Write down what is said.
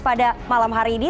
pada malam hari ini